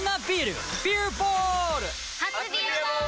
初「ビアボール」！